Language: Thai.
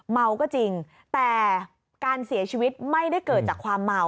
เมาก็จริงแต่การเสียชีวิตไม่ได้เกิดจากความเมา